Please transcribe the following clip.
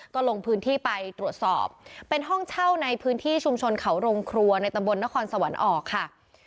ก็ลงพื้นที่ไปตรวจสอบเป็นห้องเช่าในพื้นที่ชุมชนเขาโรงครัวในตำบลนครสวรรค์ออกค่ะ